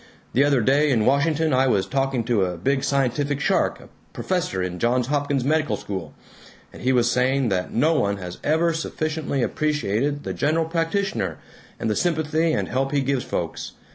The other day, in Washington, I was talking to a big scientific shark, a professor in Johns Hopkins medical school, and he was saying that no one has ever sufficiently appreciated the general practitioner and the sympathy and help he gives folks.